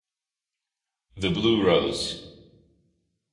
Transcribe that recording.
The Blue Rose